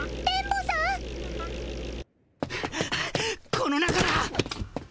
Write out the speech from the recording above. この中だ！